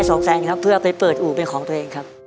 ก็อยากได้๒แสงนะครับเพื่อให้เปิดอูเป็นของตัวเองครับ